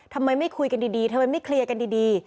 ทำไมไม่คุยกันดีทำไมไม่เคลียร์กันดี